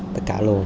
tất cả luôn